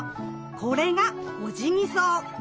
これがオジギソウ。